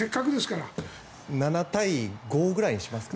７対５ぐらいにしますか。